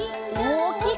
おおきく！